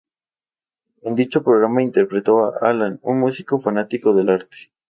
En dicho programa interpretó a Alan, un músico fanático del arte.